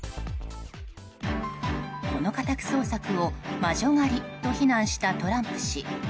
この家宅捜索を魔女狩りと非難したトランプ氏。